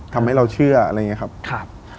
ทำให้เราเชื่ออะไรอย่างนี้ครับ